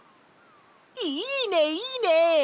いいねいいね！